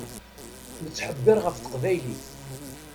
Nettḥebbiṛ ɣef teqbaylit.